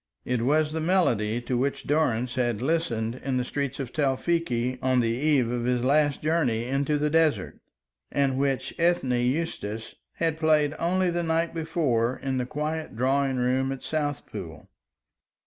It was the melody to which Durrance had listened in the street of Tewfikieh on the eve of his last journey into the desert; and which Ethne Eustace had played only the night before in the quiet drawing room at Southpool.